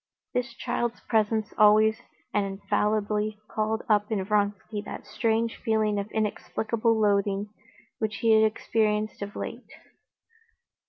This child's presence always and infallibly called up in Vronsky that strange feeling of inexplicable loathing which he had experienced of late.